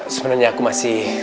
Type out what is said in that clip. sebenarnya aku masih